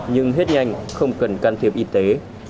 nhưng hết nhanh không cần can thiệp y tế